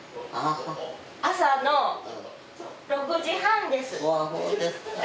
朝の６時半です。